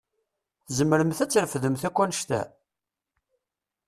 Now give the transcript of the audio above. Tzemremt ad trefdemt akk annect-a?